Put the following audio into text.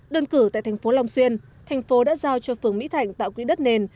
đơn cử tại thành phố long xuyên thành phố đã giao cho phường mỹ thạnh tạo quỹ đất nền